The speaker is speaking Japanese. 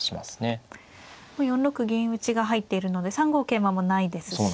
４六銀打が入っているので３五桂馬もないですし。